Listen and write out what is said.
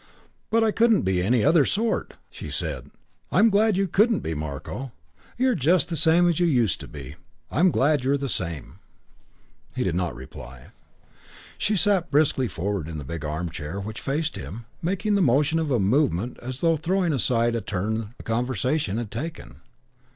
"But I couldn't be any other sort." She said, "I'm glad you couldn't be, Marko. You're just the same as you used to be. I'm glad you're the same." He did not reply. VII She sat briskly forward in the big armchair in which she faced him, making of the motion a movement as though throwing aside a turn the conversation had taken.